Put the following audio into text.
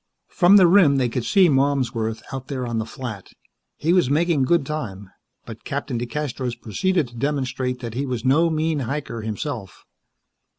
From the rim they could see Malmsworth out there on the flat. He was making good time, but Captain DeCastros proceeded to demonstrate that he was no mean hiker, himself.